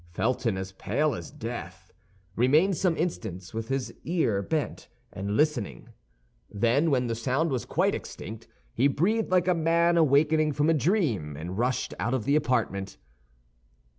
Felton, as pale as death, remained some instants with his ear bent and listening; then, when the sound was quite extinct, he breathed like a man awaking from a dream, and rushed out of the apartment.